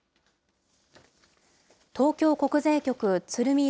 東京国税局鶴見